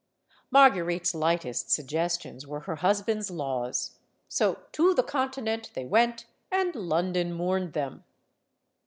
Marguerite's lightest suggestions were her husband's laws. So to the Continent they went, and London mourned them.